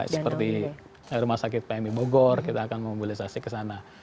seperti rumah sakit pmi bogor kita akan memobilisasi ke sana